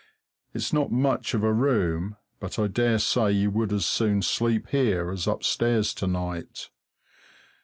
It's not much of a room, but I daresay you would as soon sleep here as upstairs to night.